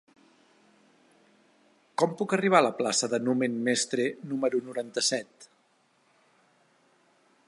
Com puc arribar a la plaça de Numen Mestre número noranta-set?